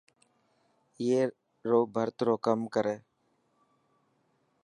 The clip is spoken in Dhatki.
اي رو ڀرت رو ڪم ڪري.